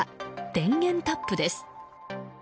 電源タップです。